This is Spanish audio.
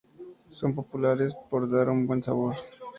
Son populares por dar un buen sabor.